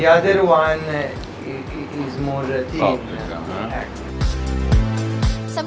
ยิ่งหมาก